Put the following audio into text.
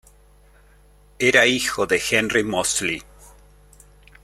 Era hijo de Henry Moseley.